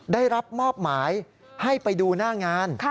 ได้รับมอบหมายให้ไปดูหน้างาน